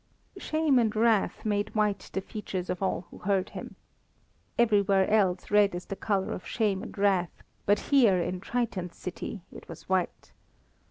Shame and wrath made white the features of all who heard him. Everywhere else, red is the colour of shame and wrath, but here, in Triton's City, it was white.